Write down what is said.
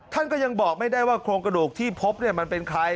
ท่านก็ยังบอกไม่ได้ว่าโครงกระดูกที่พบมันเป็นใคร